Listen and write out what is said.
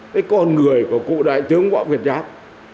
cái con người của cụ đại tướng võ nguyên giáp